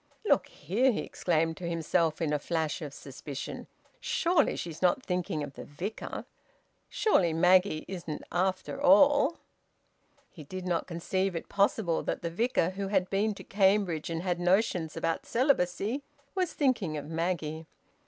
"Look here!" he exclaimed to himself, in a flash of suspicion. "Surely she's not thinking of the Vicar! Surely Maggie isn't after all!" He did not conceive it possible that the Vicar, who had been to Cambridge and had notions about celibacy, was thinking of Maggie.